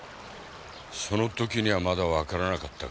その時にはまだわからなかった。